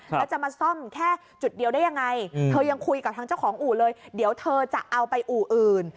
แล้วจะมาซ่อมแค่จุดเดียวได้ยังไงเธอยังคุยกับทางเจ้าของอู่เลยเดี๋ยวเธอจะเอาไปอู่อื่น